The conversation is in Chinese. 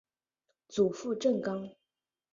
祖父郑刚。